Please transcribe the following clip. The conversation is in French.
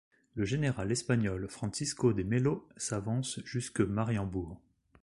Le général espagnol Francisco de Melo s’avance jusque Mariembourg.